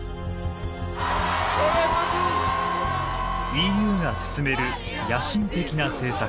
ＥＵが進める野心的な政策。